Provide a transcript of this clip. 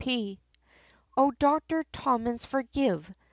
C.P. O Doctor Tommins forgive!